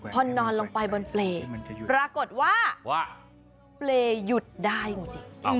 พอนอนลงไปบนเปรย์ปรากฏว่าเปรย์หยุดได้จริง